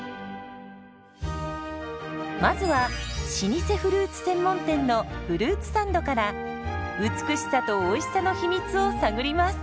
まずは老舗フルーツ専門店のフルーツサンドから美しさとおいしさの秘密を探ります。